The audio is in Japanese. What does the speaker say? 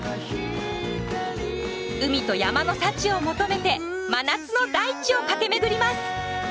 海と山の幸を求めて真夏の大地を駆け巡ります！